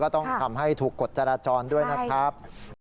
ต้องทำให้ถูกกฎจราจรด้วยนะครับ